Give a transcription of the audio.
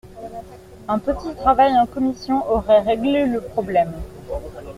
Un petit travail en commission aurait réglé le problème.